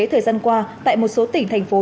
thời gian qua tại một số tỉnh thành phố